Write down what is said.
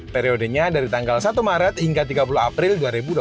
periodenya dari tanggal satu maret hingga tiga puluh april dua ribu dua puluh